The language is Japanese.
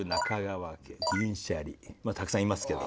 まだたくさんいますけど。